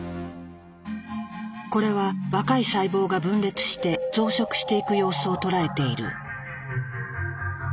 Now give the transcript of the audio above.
これは若い細胞が分裂して増殖していく様子を捉えている。